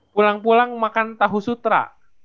pulang pulang makan tahu sutra